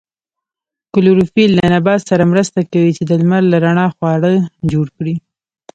کلوروفیل له نبات سره مرسته کوي چې د لمر له رڼا خواړه جوړ کړي